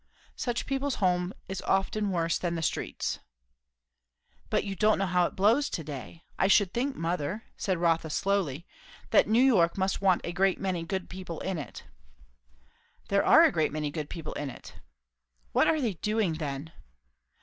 "Such people's home is often worse than the streets." "But you don't know how it blows to day. I should think, mother," said Rotha slowly, "New York must want a great many good people in it." "There are a great many good people in it." "What are they doing, then?"